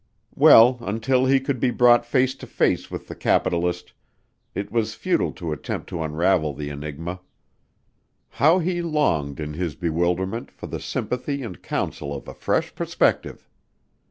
Well, until he could be brought face to face with the capitalist, it was futile to attempt to unravel the enigma. How he longed in his bewilderment for the sympathy and counsel of a fresh perspective!